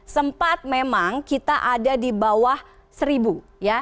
sempat memang kita ada di bawah seribu ya